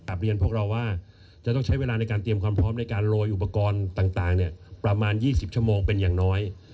เรียนพวกเราว่าจะต้องใช้เวลาในการเตรียมความพร้อมในการโรยอุปกรณ์ต่างประมาณ๒๐ชั่วโมงเป็นอย่างน้อย